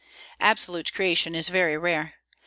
Absolute creation is very rare.